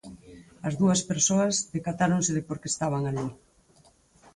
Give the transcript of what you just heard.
As dúas persoas decatáronse de por que estaban alí.